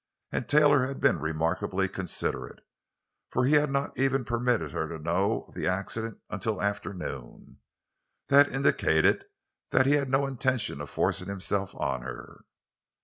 And Taylor had been remarkably considerate; for he had not even permitted her to know of the accident until after noon. That indicated that he had no intention of forcing himself on her.